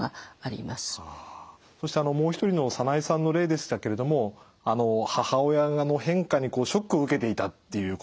そしてもう一人のサナエさんの例でしたけれども母親の変化にショックを受けていたっていうことでした。